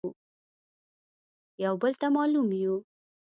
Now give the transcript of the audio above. يو بل ته مالوم يو.